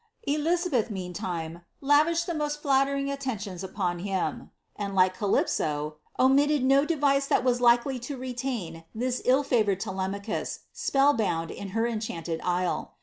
Elizabeth, meantime, lavished the most flattering attentions upon him, and, like Calypso, omitted no device that was likely to retain this ill frvoured Telemachus spell bound in her enchanted isle.